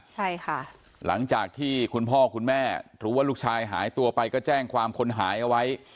ใช่ค่ะหลังจากที่คุณพ่อคุณแม่รู้ว่าลูกชายหายตัวไปก็แจ้งความคนหายเอาไว้